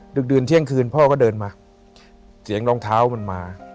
ดึกดื่นเที่ยงคืนพ่อก็เดินมาเสียงรองเท้ามันมา